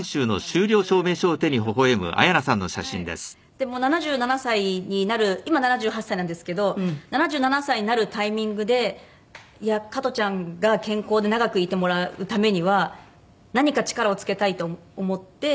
でも７７歳になる今７８歳なんですけど７７歳になるタイミングで加トちゃんが健康で長くいてもらうためには何か力を付けたいと思って。